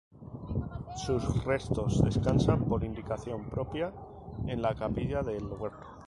Sus restos descansan, por indicación propia, en la capilla del Huerto.